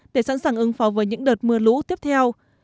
để sẵn sàng ứng phó với những đợt mưa lũ tiếp theo